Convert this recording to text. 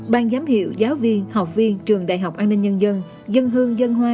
ban giám hiệu giáo viên học viên trường đại học an ninh nhân dân dân hương dân hoa